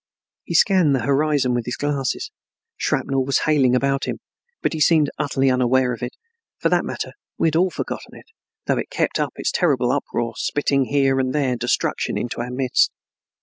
He scanned the horizon with his glasses. Shrapnel was hailing around him, but he seemed utterly unaware of it; for that matter we had all forgotten it, though it kept up its terrible uproar, spitting here and there destruction into our midst.